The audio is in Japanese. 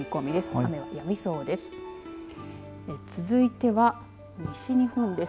雨はやみそうです。